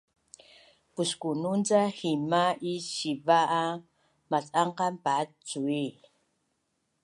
Puskunun ca hima’ is siva a mac’an qan paat cui